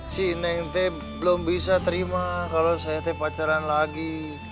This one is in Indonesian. si neng t belum bisa terima kalau saya teh pacaran lagi